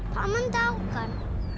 paman tau kan